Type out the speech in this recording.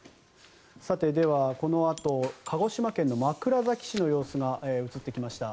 では、このあと鹿児島県の枕崎市の様子が映ってきました。